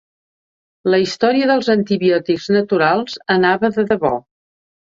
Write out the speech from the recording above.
La història dels antibiòtics naturals anava de debò.